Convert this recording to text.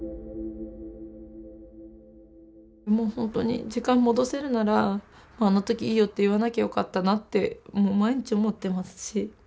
もうほんとに時間戻せるならあの時「いいよ」って言わなきゃよかったなって毎日思ってますし。